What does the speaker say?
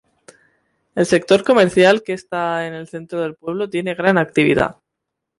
El sector comercial que esta en el centro del pueblo tiene gran actividad.